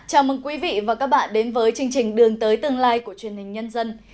chào mừng quý vị và các bạn đến với chương trình đường tới tương lai của truyền hình nhân dân